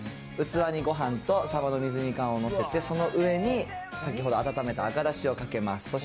器にごはんとサバの水煮缶を載せて、その上に先ほど温めた赤だしをかけます。